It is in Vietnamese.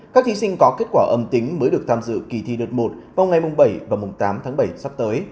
các thí sinh có kết quả âm tính mới được tham dự kỳ thi đợt một vào ngày bảy và tám tháng bảy sắp tới